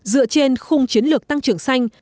dựa trên khung chiến lược tăng trưởng xanh